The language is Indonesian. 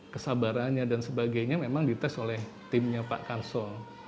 kesabarannya dan sebagainya memang dites oleh timnya pak kansong